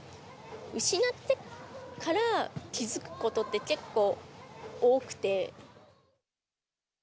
失ってから気付くことって結構多くて。